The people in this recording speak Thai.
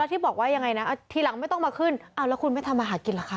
ที่บอกว่ายังไงนะทีหลังไม่ต้องมาขึ้นเอาแล้วคุณไม่ทำอาหารกินเหรอคะ